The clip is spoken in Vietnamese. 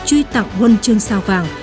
truy tạo quân chương sao vàng